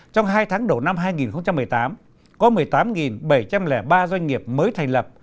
trong hai tháng đầu năm hai nghìn một mươi tám có một mươi tám bảy trăm linh ba doanh nghiệp mới thành lập